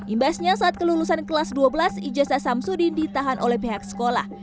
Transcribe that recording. imbasnya saat kelulusan kelas dua belas ijazah samsudin ditahan oleh pihak sekolah